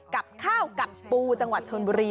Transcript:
กับข้าวกับปูจังหวัดชนบุรี